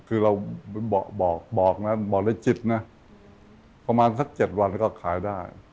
คือเราบอกในจิตนะประมาณสัก๗วันก็ขายได้